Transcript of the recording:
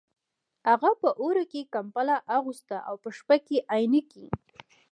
هغه په اوړي کې کمبله اغوسته او په شپه کې عینکې